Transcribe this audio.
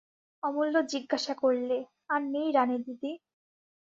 অমূল্য জিজ্ঞাসা করলে, আর নেই রানীদিদি?